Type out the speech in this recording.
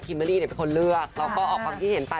เมอรี่เป็นคนเลือกเราก็ออกความคิดเห็นไป